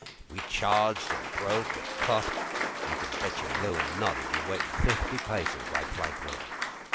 If we charged or broke or cut, You could bet your bloomin' nut,'E'd be waitin' fifty paces right flank rear.